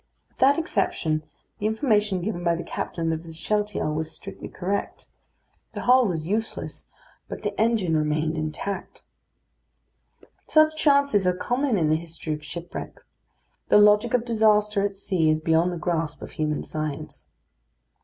With that exception, the information given by the captain of the Shealtiel was strictly correct. The hull was useless, but the engine remained intact. Such chances are common in the history of shipwreck. The logic of disaster at sea is beyond the grasp of human science.